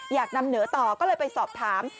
อยากนำเหนอต่อก็เลยไปสอบถาม